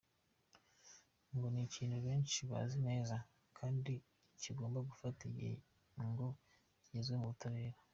Ngo ni ikintu benshi bazi neza kandi kigomba gufata igihe ngo kigezwe mu butabera.